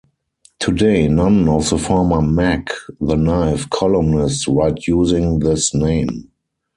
Today, none of the former Mac the Knife columnists write using this name.